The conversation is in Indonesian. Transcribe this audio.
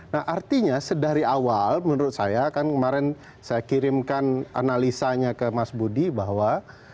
nah artinya sedari awal menurut saya kan kemarin saya kirimkan analisanya ke mas budi bahwa